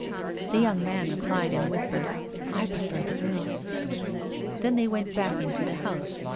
The young man replied in a whisper: "I prefer the girls." Then they went back into the house.